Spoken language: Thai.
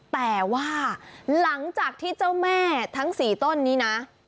แต่ว่าหลังจากที่เจ้าแม่ทั้ง๔ต้นนี้นะ